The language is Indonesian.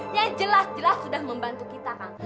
ya jelas jelas sudah membantu kita kang